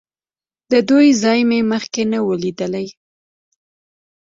د دوی ځای مې مخکې نه و لیدلی.